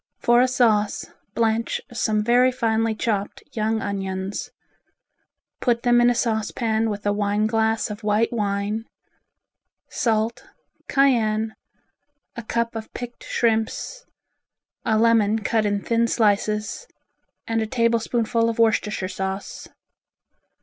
For a sauce, blanch some very finely chopped young onions. Put them in a saucepan with a wine glass of white wine, salt, cayenne, a cup of picked shrimps, a lemon cut in thin slices, and a tablespoonful of Worcestershire sauce.